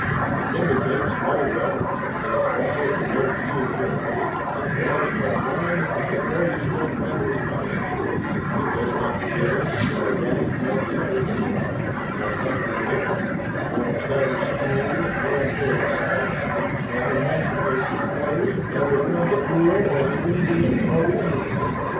It vindicates no right, it aspires to no real good, it brands no crime, it proposes no generous policy; it does not build, nor write, nor cherish the arts, nor foster religion, nor establish schools, nor encourage science, nor emancipate the slave, nor befriend the poor, or the Indian, or the immigrant.